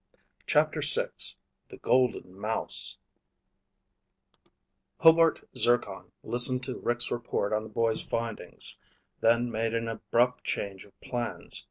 CHAPTER VI The Golden Mouse Hobart Zircon listened to Rick's report on the boys' findings, then made an abrupt change of plans.